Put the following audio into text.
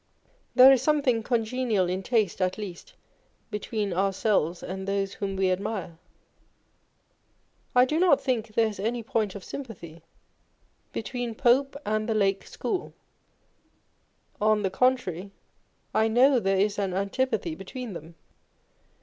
There is something congenial in taste, at least, between ourselves and those whom we admire. I do not think there is any point of sympathy between Pope and the Lake On Envy. 141 School: on the contrary, I know there is an antipathy between them.